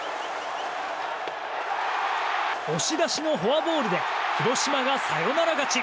押し出しのフォアボールで広島がサヨナラ勝ち！